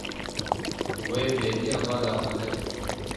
Wê bêriya mala xwe nekir.